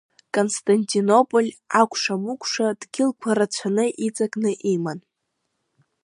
Константинополь акәша-мыкәша дгьылқәа рацәаны иҵакны иман.